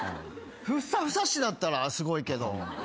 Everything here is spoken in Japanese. ふっさふさ市だったらすごいけど。